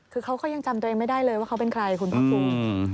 คือเขาก็ยังจำตัวเองไม่ได้เลยว่าเขาเป็นใครคุณภาคภูมิ